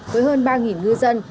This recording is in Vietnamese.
với hơn ba ngư dân